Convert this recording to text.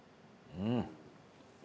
うん！